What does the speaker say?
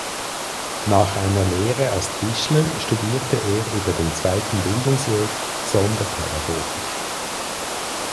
Nach einer Lehre als Tischler studierte er über den Zweiten Bildungsweg Sonderpädagogik.